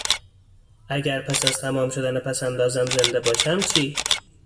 اگر پس از تمام شدن پس اندازم زنده باشم چی؟